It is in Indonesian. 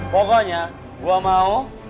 pokoknya gua mau